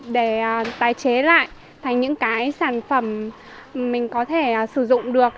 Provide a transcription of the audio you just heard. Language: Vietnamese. để tái chế lại thành những cái sản phẩm mình có thể sử dụng được